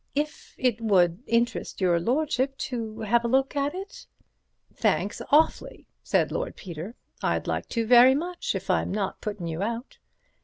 If it would interest your lordship to have a look at it—" "Thanks awfully," said Lord Peter, "I'd like to very much, if I'm not puttin' you out."